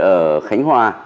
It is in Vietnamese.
ở khánh hòa